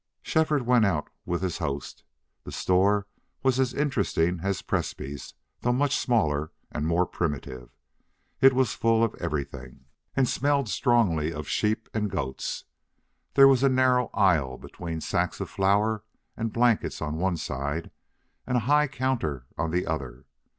Shefford went out with his host. The store was as interesting as Presbrey's, though much smaller and more primitive. It was full of everything, and smelled strongly of sheep and goats. There was a narrow aisle between sacks of flour and blankets on one side and a high counter on the other.